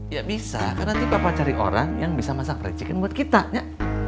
ya bisa karena nanti papa cari orang yang bisa masak fried chicken buat kita ya